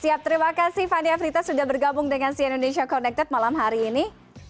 siap terima kasih fanny afritas sudah bergabung dengan cien indonesia connected malam hari ini